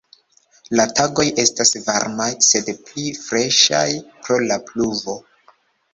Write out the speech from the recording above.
La tagoj estas varmaj, sed pli freŝaj pro la pluvo.